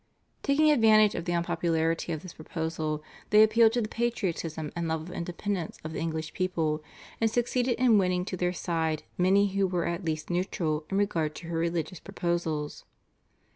Taking advantage of the unpopularity of this proposal they appealed to the patriotism and love of independence of the English people, and succeeded in winning to their side many who were at least neutral in regard to her religious proposals.